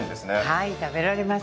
はい食べられます。